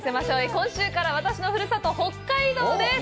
今週から私のふるさと、北海道です。